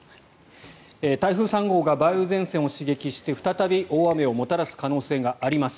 台風３号が梅雨前線を刺激して再び大雨をもたらす可能性があります。